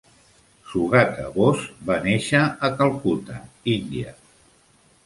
Sugata Bose va néixer a Calcuta, India.